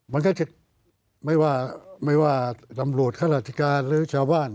มันก็จะไม่ว่าน้ำพลวชข้าระติกานึ้งชาวบ้าน